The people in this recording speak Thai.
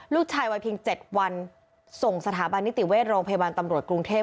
ลูกชายวัยเพียง๗วันส่งสถาบันนิติเวชโรงพยาบาลตำรวจกรุงเทพ